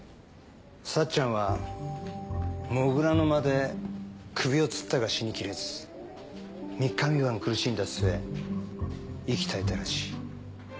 幸ちゃんは土竜の間で首をつったが死にきれず三日三晩苦しんだ末息絶えたらしい。